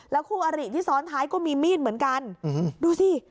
คู่อริที่ซ้อนท้ายก็มีมีดเหมือนกันดูสิ